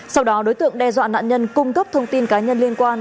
sau đó đối tượng đe dọa nạn nhân cung cấp thông tin cá nhân liên quan